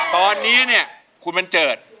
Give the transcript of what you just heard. ตอนนี้เนี่ยคุณบัญชโจร